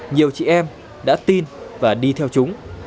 nhiều chị em đã tin và đi theo chúng